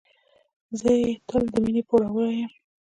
زه یې تل د مينې پوروړی یم.